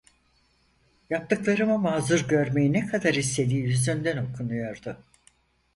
Yaptıklarımı mazur görmeyi ne kadar istediği yüzünden okunuyordu.